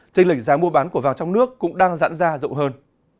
tranh lệch giá mua bán của vàng trong nước cũng đang giãn ra rộng hơn